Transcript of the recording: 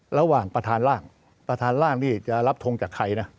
ระหว่างประธานร่างประธานร่างนี่จะรับทงจากใครนะ